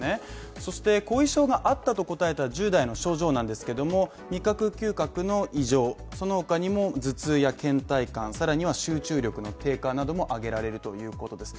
そして後遺症があったと答えた１０代の症状なんですけど味覚・嗅覚の異常、その他にも頭痛やけん怠感、更には集中力の低下なども挙げられるということです。